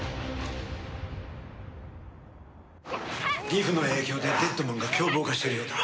ギフの影響でデッドマンが凶暴化しているようだ。